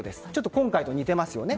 今回と似ていますよね。